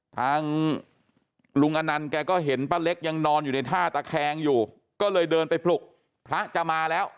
ทางลุงอนันต์แกก็เห็นป้าเล็กยังนอนอยู่ในท่าตะแคงอยู่ก็เลยเดินไปปลุกพระจะมาแล้ว